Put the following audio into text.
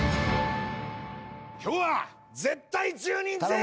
今日は絶対１０人全員笑かすぞ！